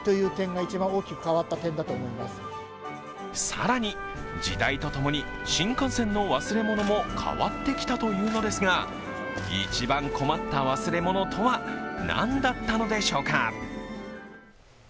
更に、時代と共に新幹線の忘れ物も変わってきたというのですが一番困った忘れ物とは何だったのでしょうか。